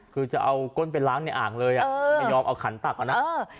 คือจะเอาก้นไปล้างในอ่างเลยอ่ะไม่ยอมเอาขันตักเอานะ